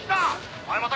お前また」